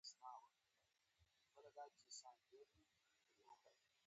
ایا پاکو اوبو ته لاسرسی لرئ؟